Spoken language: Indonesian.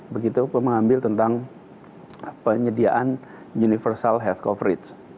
begitu mengambil tentang penyediaan universal health coverage